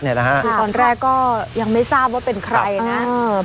คือตอนแรกก็ยังไม่ทราบว่าเป็นใครนะ